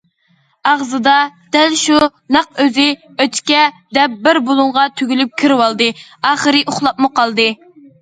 ئاغزىدا دەل شۇ، نەق ئۆزى، ئۆچكە، دەپ بىر بۇلۇڭغا تۈگۈلۈپ كىرىۋالدى، ئاخىرى ئۇخلاپمۇ قالدى.